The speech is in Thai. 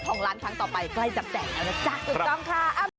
เวลาก้านาฬิกา๓๐นาที